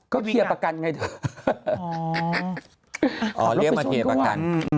ขับรถแล้วไปเชื่อประกัน